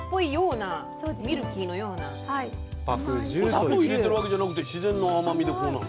砂糖入れてるわけじゃなくて自然の甘みでこうなる？